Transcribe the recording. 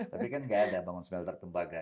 tapi kan enggak ada yang bangun smelter tembaga ya